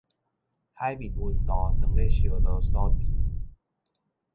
海面溫度當咧熱烙所致